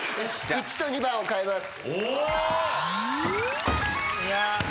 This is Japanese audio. １と２番を替えます。